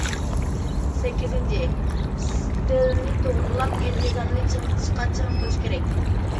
سەككىزىنچى، ئىستىلنى توغرىلاپ، ئىنتىزامنى چىڭىتىشتا چىڭ تۇرۇش كېرەك.